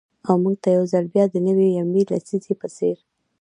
او مـوږ تـه يـو ځـل بـيا د نـوي يمـې لسـيزې پـه څـېر.